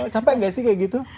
capek gak sih kayak gitu